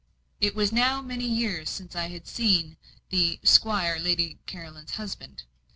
It was now many years since I had seen the 'squire, Lady Caroline's husband.